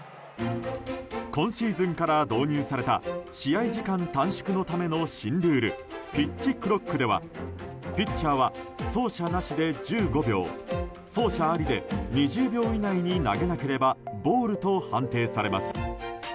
今シーズンから導入された試合時間短縮のための新ルールピッチクロックではピッチャーは走者なしで１５秒走者ありで２０秒以内に投げなければボールと判定されます。